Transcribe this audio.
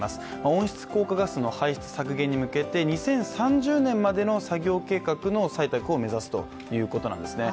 温室効果ガスの排出削減に向けて２０３０年までの作業計画の採択を目指すということなんですね。